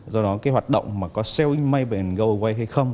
do đó hoạt động có sell in may and go away hay không